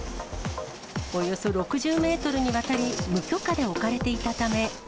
およそ６０メートルにわたり、無許可で置かれていたため。